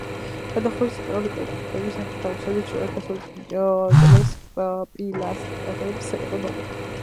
გადახურვის ცენტრალური კოჭები სამხრეთ-აღმოსავლეთ და ჩრდილო-დასავლეთ კედლების პილასტრებს ეყრდნობოდა.